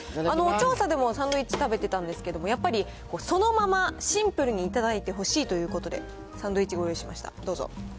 調査でもサンドイッチ食べてたんですけれども、やっぱりそのまま、シンプルに頂いてほしいということで、サンドイッチご用意しました、どうぞ。